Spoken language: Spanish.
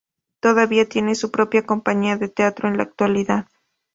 Todavía tiene su propia compañía de teatro en la actualidad.